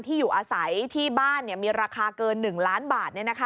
อยู่อาศัยที่บ้านมีราคาเกิน๑ล้านบาท